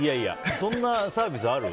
そんなサービスある？